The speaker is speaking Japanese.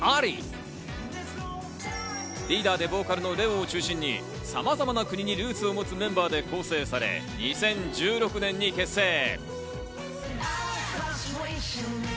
リーダーでボーカルのＬＥＯを中心に様々な国にルーツを持つメンバーで構成され、２０１６年に結成。